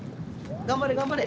頑張れ頑張れ。